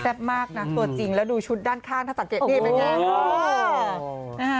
มากนะตัวจริงแล้วดูชุดด้านข้างถ้าสังเกตดีเป็นไง